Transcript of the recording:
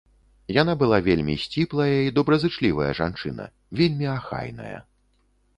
Яна была вельмі сціплая і добразычлівая жанчына, вельмі ахайная.